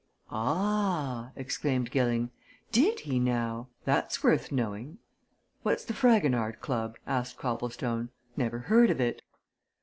"Ah!" exclaimed Gilling. "Did he, now? That's worth knowing." "What's the Fragonard Club?" asked Copplestone. "Never heard of it."